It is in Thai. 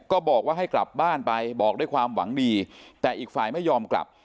ก็บอกว่าให้กลับบ้านไปบอกด้วยความหวังดีแต่อีกฝ่ายไม่ยอมกลับ